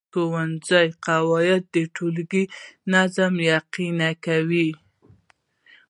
د ښوونځي قواعد د ټولګي نظم یقیني کاوه.